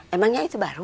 emangnya itu baru